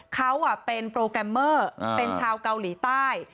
เขาเป็นโปรแกรมเมอร์เป็นชาวเกาหลีใต้